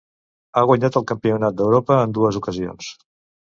Ha guanyat el campionat d'Europa en dues ocasions.